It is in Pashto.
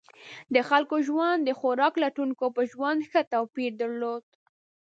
د خلکو ژوند د خوراک لټونکو په ژوند ښه توپیر درلود.